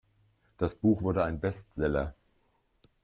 Das Buch wurde ein Bestseller.